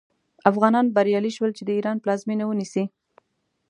افغانان بریالي شول چې د ایران پلازمینه ونیسي.